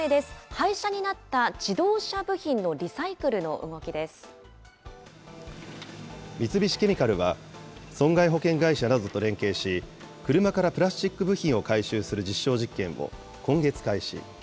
廃車になった自動車部品のリサイ三菱ケミカルは、損害保険会社などと連携し、車からプラスチック部品を回収する実証実験を今月開始。